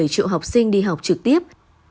triệu học sinh đi học trực tiếp